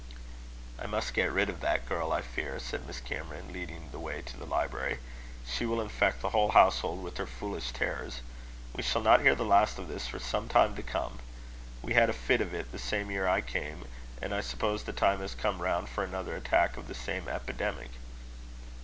"I must get rid of that girl, I fear," said Miss Cameron, leading the way to the library; "she will infect the whole household with her foolish terrors. We shall not hear the last of this for some time to come. We had a fit of it the same year I came; and I suppose the time has come round for another attack of the same epidemic."